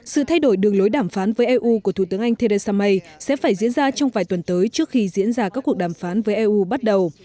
sự thay đổi đường lối đàm phán với eu của thủ tướng anh theresa may sẽ phải diễn ra trong vài tuần tới trước khi diễn ra các cuộc đàm phán với eu bắt đầu